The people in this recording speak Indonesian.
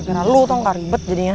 pergera lu toh gak ribet jadinya